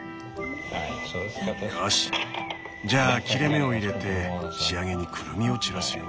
よしじゃあ切れ目を入れて仕上げにくるみを散らすよ。